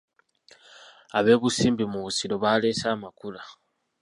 Ab'e Busimbi mu Ssingo baleese amakula.